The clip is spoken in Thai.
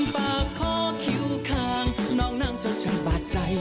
ปากคอคิ้วคางนอกนั่งจงฉันบาดใจ